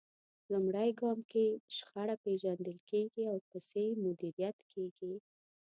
لومړی ګام کې شخړه پېژندل کېږي او ورپسې مديريت کېږي.